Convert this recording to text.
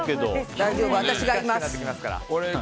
大丈夫、私がいます。